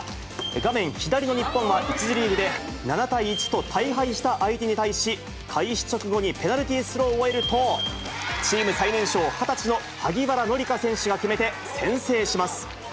画面左の日本は１次リーグで７対１と大敗した相手に対し、開始直後にペナルティースローを得ると、チーム最年少、２０歳の萩原紀佳選手が決めて、先制します。